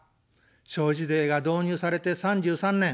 消費税が導入されて３３年。